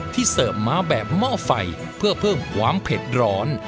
ที่เซอร์ฟม้าแบบหม้อไฟเพื่อเว้มความเผ็ดร้อน